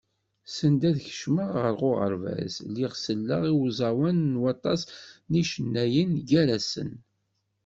Send ad kecmeɣ ɣer uɣerbaz, lliɣ selleɣ i uẓawan n waṭas n yicennayen, gar-asen.